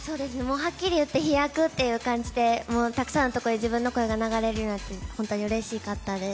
はっきり言って飛躍といえる年でたくさんのところに自分の声が流れてうれしかったです。